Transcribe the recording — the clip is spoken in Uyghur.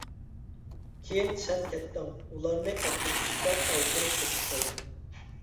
كېيىن سەن كەتتىڭ، ئۇلارنى ئاپتوبۇستا ئازدۇرۇپ قېچىپ كەلدىم.